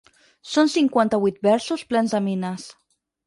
Són cinquanta-vuit versos plens de mines.